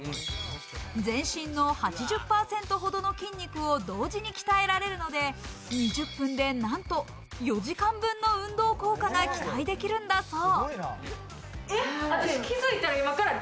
全身の８０％ほどの筋肉を同時に鍛えられるので、２０分でなんと４時間分の運動効果が期待できるんだそう。